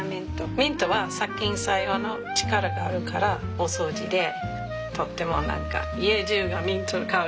ミントは殺菌作用の力があるからお掃除でとっても何か家じゅうがミントの香りになるからうれしいです。